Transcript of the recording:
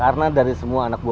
karena dari semua anak buku